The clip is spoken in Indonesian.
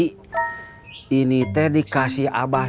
saya sudah berusaha untuk mengucapkan terima kasih kepada pak haji